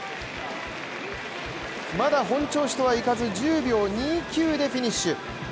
まだ本調子とはいかず１０秒２９でフィニッシュ。